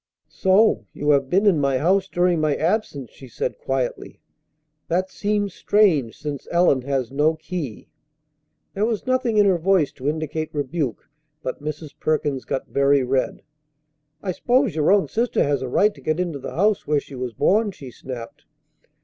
"So you have been in my house during my absence!" she said quietly. "That seems strange since Ellen has no key!" There was nothing in her voice to indicate rebuke, but Mrs. Perkins got very red. "I s'pose your own sister has a right to get into the house where she was born," she snapped.